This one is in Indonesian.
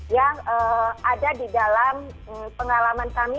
yang ada di dalam pengalaman kami